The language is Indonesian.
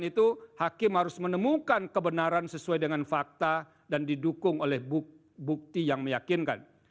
itu hakim harus menemukan kebenaran sesuai dengan fakta dan didukung oleh bukti yang meyakinkan